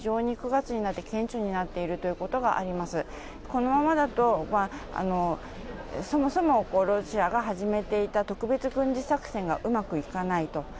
このままだとそもそもロシアが始めていた特別軍事作戦がうまくいかないと。